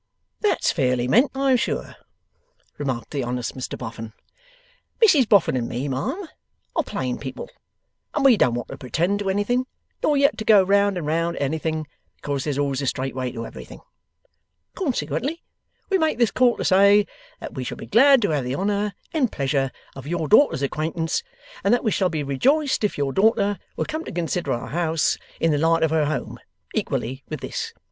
'That's fairly meant, I am sure,' remarked the honest Mr Boffin; 'Mrs Boffin and me, ma'am, are plain people, and we don't want to pretend to anything, nor yet to go round and round at anything because there's always a straight way to everything. Consequently, we make this call to say, that we shall be glad to have the honour and pleasure of your daughter's acquaintance, and that we shall be rejoiced if your daughter will come to consider our house in the light of her home equally with this.